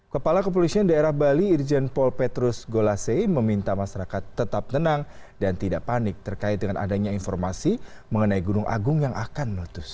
kepala kepolisian daerah bali irjen pol petrus golase meminta masyarakat tetap tenang dan tidak panik terkait dengan adanya informasi mengenai gunung agung yang akan meletus